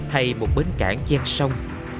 hay một bến cảng gian sông